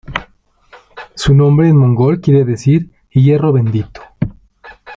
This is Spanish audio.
Su nombre en mongol quiere decir "hierro bendito".